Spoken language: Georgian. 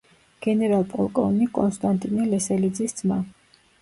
გენერალ-პოლკოვნიკ კონსტანტინე ლესელიძის ძმა.